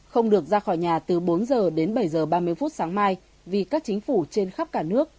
không được ra khỏi nhà từ bốn giờ đến bảy h ba mươi phút sáng mai vì các chính phủ trên khắp cả nước